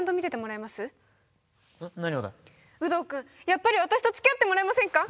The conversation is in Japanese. やっぱり私と付き合ってもらえませんか？